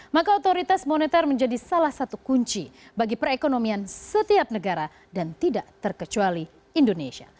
maka otoritas moneter menjadi salah satu kunci bagi perekonomian setiap negara dan tidak terkecuali indonesia